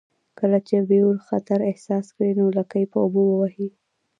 کله چې بیور خطر احساس کړي نو لکۍ په اوبو وهي